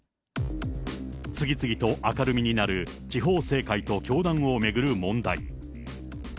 次々と明るみになる地方政界と教団を巡る問題。